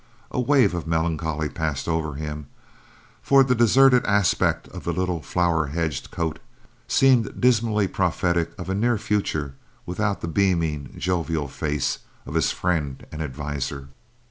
A wave of melancholy passed over him, for the deserted aspect of the little flower hedged cote seemed dismally prophetic of a near future without the beaming, jovial face of his friend and adviser.